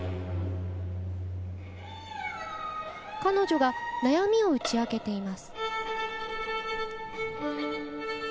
彼女が悩みを打ち明けています。